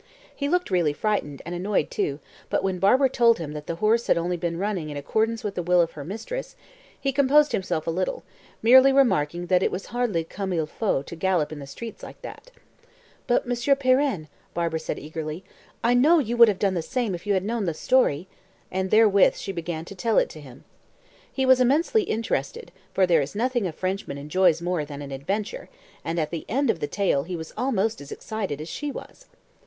He looked really frightened, and annoyed too, but when Barbara told him that the horse had only been running in accordance with the will of her mistress, he composed himself a little, merely remarking that it was hardly comme il faut to gallop in the streets like that. "But, Monsieur Pirenne," Barbara said eagerly, "I know you would have done the same if you had known the story;" and therewith she began to tell it to him. He was immensely interested, for there is nothing a Frenchman enjoys more than an adventure, and at the end of the tale he was almost as excited as she was.